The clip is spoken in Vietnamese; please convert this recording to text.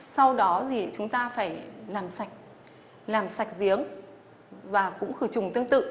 sau đó thì chúng ta phải làm sạch làm sạch giếng và cũng khử trùng tương tự